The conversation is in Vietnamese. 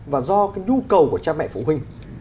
và do nhu cầu của cha mẹ phụ huynh